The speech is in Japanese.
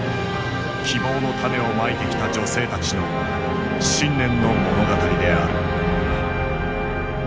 希望の種をまいてきた女性たちの信念の物語である。